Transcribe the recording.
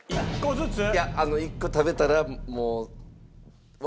いや１個食べたらもう。